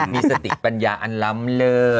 มีสติปัญญาอารมณ์เริด